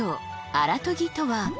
「荒研ぎ」とは？